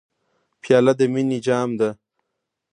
پیاله د مینې جام ده.